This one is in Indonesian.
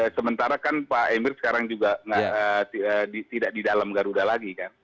sementara kan pak emir sekarang juga tidak di dalam garuda lagi kan